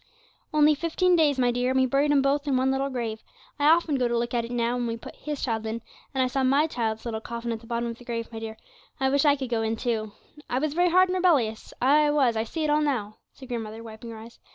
'Only fifteen days, my dear, and we buried 'em both in one little grave, I often go to look at it now; and when we put his child in, and I saw my child's little coffin at the bottom of the grave, my dear, I wished I could go in too. 'I was very hard and rebellious, ay, I was, I see it all now,' said grandmother, wiping her eyes.